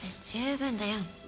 十分だよ。